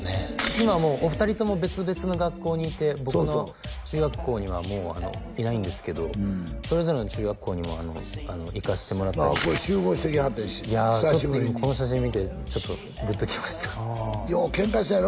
今もうお二人とも別々の学校にいて僕の中学校にはもういないんですけどそれぞれの中学校にも行かしてもらったり集合してきはった久しぶりにいやちょっとこの写真見てちょっとグッときましたようケンカしたんやろ？